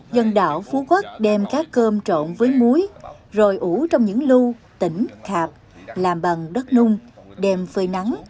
dân đảo phú quốc đem cá cơm trộn với muối rồi ủ trong những lưu tỉnh khạp làm bằng đất nung đêm phơi nắng